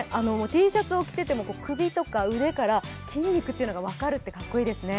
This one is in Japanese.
Ｔシャツを着ていても首から腕から、筋肉が分かるってかっこいいですね。